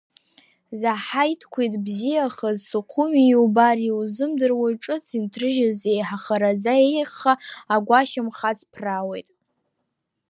Заҳаиҭқәиҭ бзиахаз Сухуми, иубар иузымдыруа, ҿыц инҭрыжьыз еиҳа хараӡа еиӷьха, агәашьамх аҵԥраауеит.